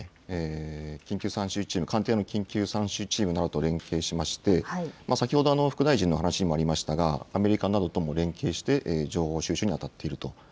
防衛省は緊急参集チーム、官邸の緊急参集チームなどと連携しまして先ほど副大臣の話にもありましたが、アメリカなどとも連携して情報収集にあたっていると。